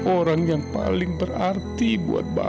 orang yang paling berarti buat bangsa